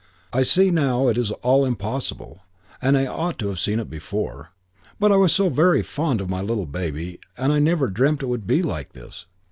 I see now it is all impossible, and I ought to have seen it before, but I was so very fond of my little baby and I never dreamt it would be like this.